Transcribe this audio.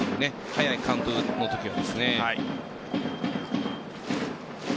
早いカウントのときは。